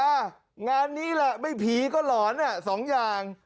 อ่ะงานนี้แหละไม่ผีก็หลอนอ่ะสองอย่าง